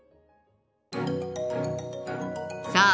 さあ